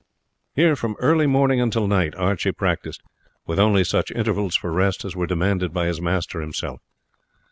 Here, from early morning until night, Archie practised, with only such intervals for rest as were demanded by his master himself.